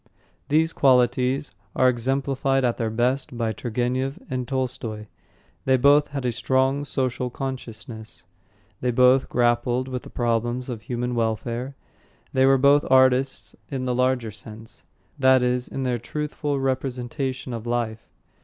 These qualities are exemplified at their best by Turgenev and Tolstoy. They both had a strong social consciousness; they both grappled with the problems of human welfare; they were both artists in the larger sense, that is, in their truthful representation of life.